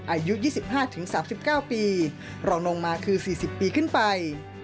อายุ๒๕๓๙ปีรองลงมาคือ๔๐ปีขึ้นไป